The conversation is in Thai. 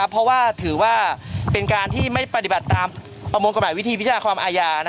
เพราะว่าถือว่าเป็นการที่ไม่ปฏิบัติตามประมวลกฎหมายวิธีพิจาความอาญา